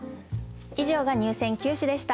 以上が入選九首でした。